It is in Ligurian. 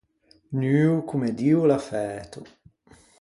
Nuo comme Dio o l’à fæto.